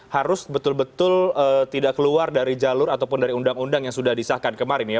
harus betul betul tidak keluar dari jalur ataupun dari undang undang yang sudah disahkan kemarin ya